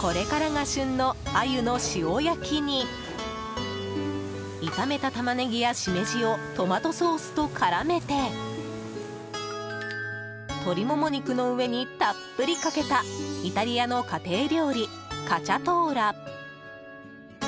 これからが旬のアユの塩焼きに炒めたタマネギやシメジをトマトソースと絡めて鶏モモ肉の上にたっぷりかけたイタリアの家庭料理カチャトーラ。